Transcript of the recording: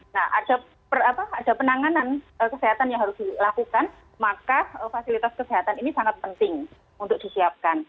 nah ada penanganan kesehatan yang harus dilakukan maka fasilitas kesehatan ini sangat penting untuk disiapkan